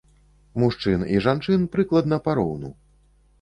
Мужчын і жанчын прыкладна пароўну.